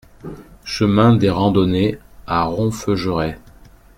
Chemin des Randonnées à Ronfeugerai